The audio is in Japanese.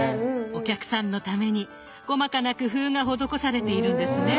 お客さんのために細かな工夫が施されているんですね。